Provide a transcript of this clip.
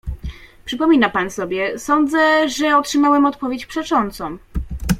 "Przypomina pan sobie, sądzę, że otrzymałem odpowiedź przeczącą."